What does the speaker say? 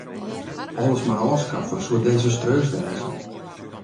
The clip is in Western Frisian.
Alles mar ôfskaffe soe desastreus wêze.